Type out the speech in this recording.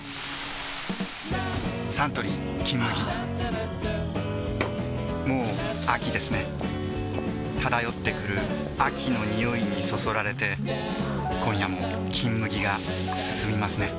サントリー「金麦」もう秋ですね漂ってくる秋の匂いにそそられて今夜も「金麦」がすすみますね